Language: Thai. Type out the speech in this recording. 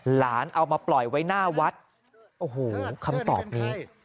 หลานเอามาปล่อยไว้หน้าวัดโอ้โหคำตอบนี้